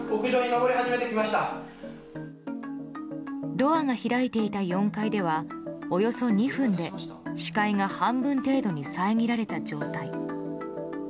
ドアが開いていた４階ではおよそ２分で視界が半分程度に遮られた状態。